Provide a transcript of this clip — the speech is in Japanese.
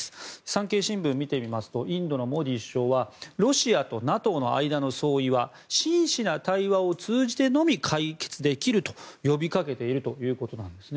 産経新聞を見てみますとインドのモディ首相はロシアとＮＡＴＯの間の相違は真摯な対話を通じてのみ解決できると呼びかけているということです。